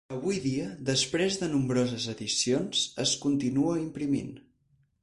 Avui dia, després de nombroses edicions, es continua imprimint.